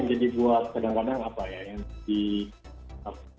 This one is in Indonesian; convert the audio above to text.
yang paling dirindukan tentu saja dengan anak sih karena anak kita masih balita